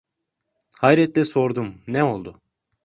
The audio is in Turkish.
Hayretle sordum: "Ne oldu?"